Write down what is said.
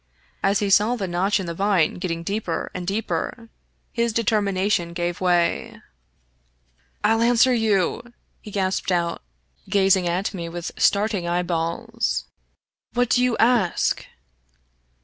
As he saw the notch in the vine getting deeper and deeper, his determination gave way. 67 Irish Mystery Stories "111 answer you," he gasped out, gazing at me with starting eyeballs ;" what do you ask